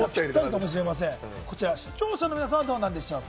こちら視聴者の皆さんはどうなんでしょう？